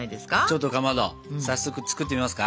ちょっとかまど早速作ってみますか。